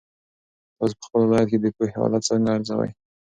تاسو په خپل ولایت کې د پوهنې حالت څنګه ارزوئ؟